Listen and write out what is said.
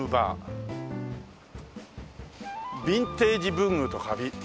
ビンテージ文具と紙。